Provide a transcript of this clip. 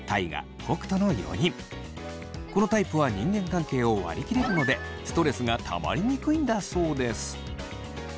このタイプは人間関係を割り切れるのでストレスがたまりにくいんだそうです。